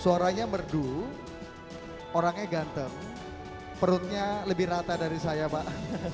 suaranya merdu orangnya ganteng perutnya lebih rata dari saya pak